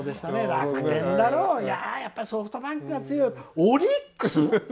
楽天だろう、いややっぱりソフトバンクだろう。オリックス！？